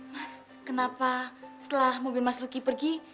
mas kenapa setelah mobil mas luki pergi